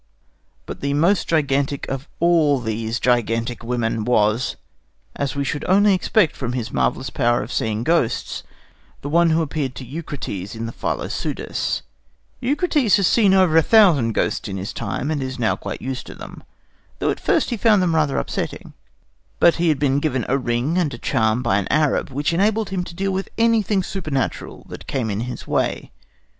But the most gigantic of all these gigantic women was, as we should only expect from his marvellous power of seeing ghosts, the one who appeared to Eucrates in the Philopseudus. Eucrates has seen over a thousand ghosts in his time, and is now quite used to them, though at first he found them rather upsetting; but he had been given a ring and a charm by an Arab, which enabled him to deal with anything supernatural that came in his way.